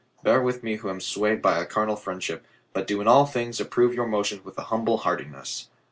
Bear with me who am swayed by a carnal friendship, but do in all things approve your motions with a humble heartiness.